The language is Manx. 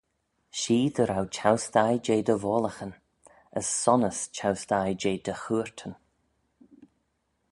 Shee dy row cheu-sthie jeh dty voallaghyn: as sonnys cheu-sthie jeh dty chooyrtyn.